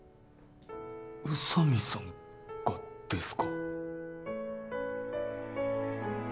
宇佐美さんがですか？